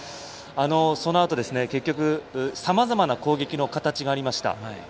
そのあと、結局さまざまな攻撃の形がありました。